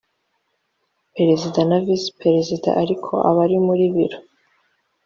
perezida na visi perezida ariko abari muri biro